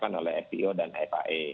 yang sudah ditetapkan oleh fpo dan fae